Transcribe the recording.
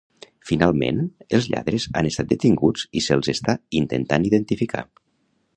Finalment, els lladres han estat detinguts i se'ls està intentant identificar